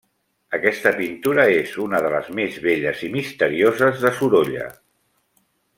Aquesta pintura és una de les més belles i misterioses de Sorolla.